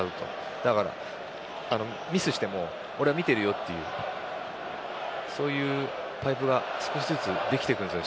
だから、ミスをしても俺は見ているよっていうそういう対応が少しずつ出てきてくるんですよね。